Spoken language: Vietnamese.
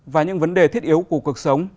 và những vấn đề thiết yếu của cuộc sống